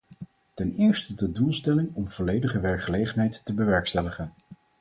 Ten eerste de doelstelling om volledige werkgelegenheid te bewerkstelligen.